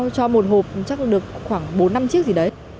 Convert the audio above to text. cho một hộp chắc được khoảng bốn năm chiếc gì đấy